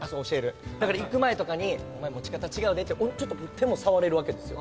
だから行く前とかに「お前持ち方違うで」ってちょっと手も触れるわけですよ。